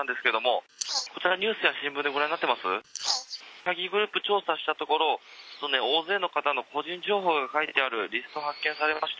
詐欺グループを調査したところ、大勢のね、方の個人情報が書いてあるリスト、発見されまして、